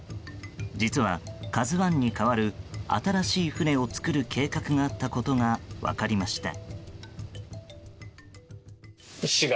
実は「ＫＡＺＵ１」に代わる新しい船を作る計画があったことが分かりました。